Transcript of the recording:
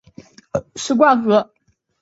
史灌河